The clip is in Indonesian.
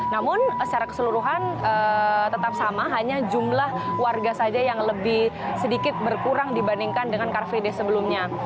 namun secara keseluruhan tetap sama hanya jumlah warga saja yang lebih sedikit berkurang dibandingkan dengan car free day sebelumnya